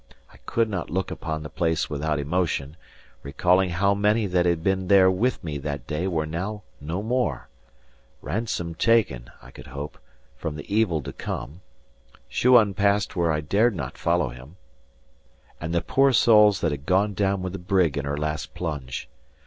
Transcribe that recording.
I could not look upon the place without emotion, recalling how many that had been there with me that day were now no more: Ransome taken, I could hope, from the evil to come; Shuan passed where I dared not follow him; and the poor souls that had gone down with the brig in her last plunge.